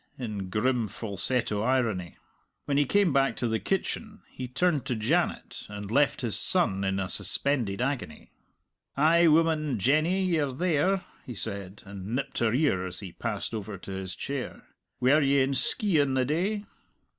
in grim, falsetto irony. When he came back to the kitchen he turned to Janet, and left his son in a suspended agony. "Ay, woman, Jenny, ye're there!" he said, and nipped her ear as he passed over to his chair. "Were ye in Skeighan the day?"